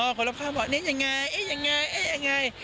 ใช่มีคนรอบข้างบอกนี่ยังไงอย่างไรอย่างไร